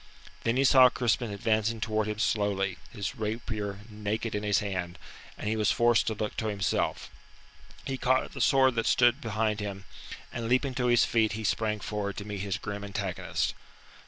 Then he saw Crispin advancing towards him slowly, his rapier naked in his hand, and he was forced to look to himself. He caught at the sword that stood behind him, and leaping to his feet he sprang forward to meet his grim antagonist.